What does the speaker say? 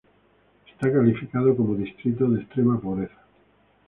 Está calificado como distrito de extrema pobreza.